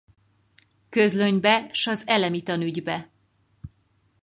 Közlönybe s az Elemi Tanügybe.